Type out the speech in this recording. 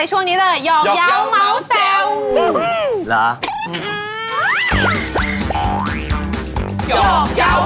โอ้เจ็บเริ่มเจ็บแล้ว